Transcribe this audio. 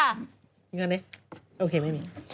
เงินไหมโอเคไม่มี